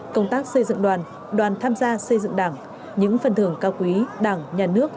công tác xây dựng đoàn đoàn tham gia xây dựng đảng những phần thưởng cao quý đảng nhà nước